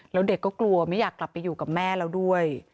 แล้วเด็กก็กลัวไม่อยากกลับไปอยู่กับแม่แล้วด้วย